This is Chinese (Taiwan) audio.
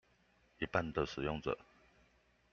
一半的使用者